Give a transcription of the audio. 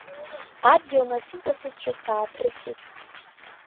Адгьыл насыҵасызшәа сааҭрысит.